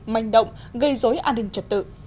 manh động gây dối an ninh trật tự